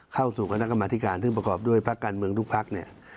เข้าสู่คณะกรรมธิการซึ่งประกอบด้วยพักการเมืองทุกพักเนี่ย